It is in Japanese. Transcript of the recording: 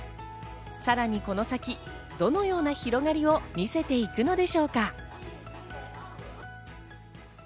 さらにこの先、どのような広がりを見せていくのでしょうか？